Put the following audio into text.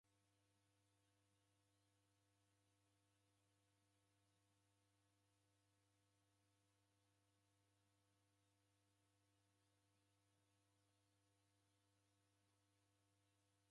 Naenja igare japo jendeboiswa.